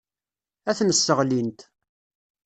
Ad ten-sseɣlint.